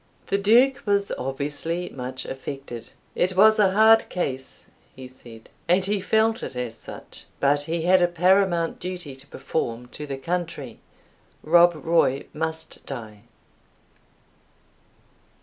The Duke was obviously much affected. "It was a hard case," he said, "and he felt it as such; but he had a paramount duty to perform to the country Rob Roy must die!"